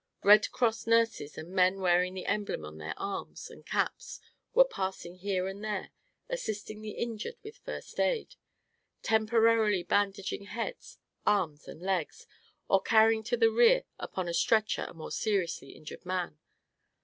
Red Cross nurses and men wearing the emblem on their arms and caps were passing here and there, assisting the injured with "first aid," temporarily bandaging heads, arms and legs or carrying to the rear upon a stretcher a more seriously injured man.